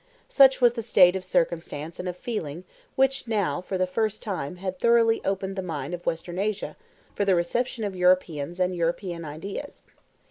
Such was the state of circumstances and of feeling which now for the first time had thoroughly opened the mind of Western Asia for the reception of Europeans and European ideas.